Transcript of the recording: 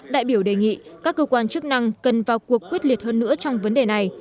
đại biểu đề nghị các cơ quan chức năng cần vào cuộc quyết liệt hơn nữa trong vấn đề này